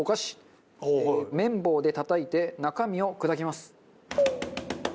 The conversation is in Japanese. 麺棒でたたいて中身を砕きます。